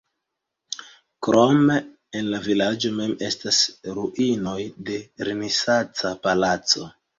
Krome en la vilaĝo mem estas ruinoj de renesanca palaco.